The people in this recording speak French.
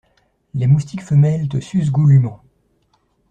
Les moustiques femelles te sucent goulument.